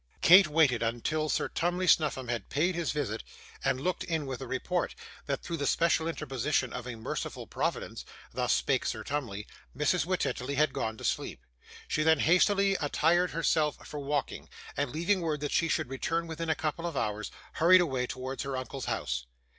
Kate waited until Sir Tumley Snuffim had paid his visit and looked in with a report, that, through the special interposition of a merciful Providence (thus spake Sir Tumley), Mrs. Wititterly had gone to sleep. She then hastily attired herself for walking, and leaving word that she should return within a couple of hours, hurried away towards her uncle's house.